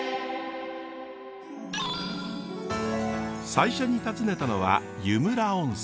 最初に訪ねたのは湯村温泉。